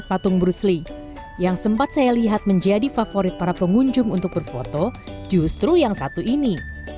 patung brusli yang sempat saya lihat menjadi favorit para pengunjung untuk berfoto justru yang satu ini